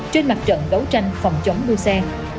trên mặt trận đấu tranh phòng chống u xe